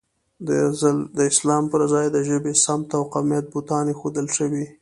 دا ځل د اسلام پر ځای د ژبې، سمت او قومیت بوتان اېښودل شوي.